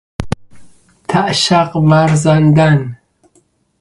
تعشق ورزندن